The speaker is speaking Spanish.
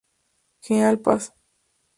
General Paz.